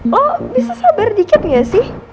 lo bisa sabar dikit ya sih